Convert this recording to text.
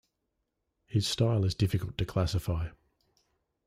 His style is difficult to classify.